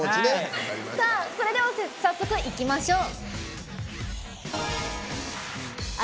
それでは早速いきましょう。